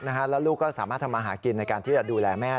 แล้วลูกก็สามารถทำมาหากินในการที่จะดูแลแม่